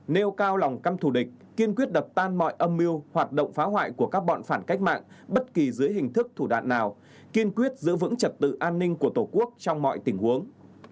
nêu cao lòng căm thù địch kiên quyết đập tan mọi âm mưu hoạt động phá hoại của các bọn phản cách mạng bất kỳ dưới hình thức thủ đoạn nào kiên quyết giữ vững trật tự an ninh của tổ quốc trong mọi tình huống